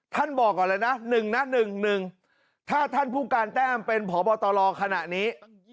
บอกก่อนเลยนะ๑นะ๑๑ถ้าท่านผู้การแต้มเป็นพบตรขณะนี้